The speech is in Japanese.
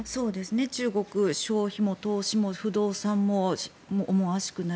中国消費も投資も不動産も思わしくない。